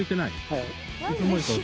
はい。